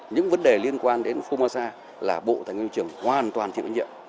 những vấn đề liên quan đến phu ma sa là bộ thành viên trường hoàn toàn chịu nhiệm